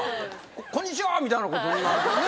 「こんにちは」みたいなことになるとね。